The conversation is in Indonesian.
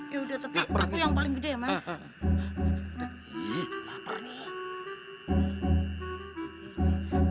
ya udah tapi aku yang paling gede ya mas